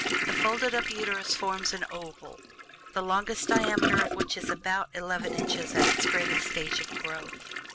The folded up fetus forms an oval, the longest diameter of which is about eleven inches at its greatest stage of growth.